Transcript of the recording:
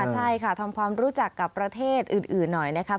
ใช่ค่ะทำความรู้จักกับประเทศอื่นหน่อยนะครับ